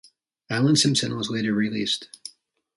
Alan Simpson was later released.